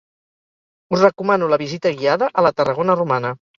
Us recomano la visita guiada a la Tarragona romana.